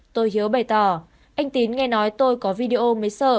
tôi hiếu bày tỏ anh tín nghe nói tôi có video mới sợ